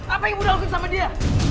apa yang ibu lakukan sama dia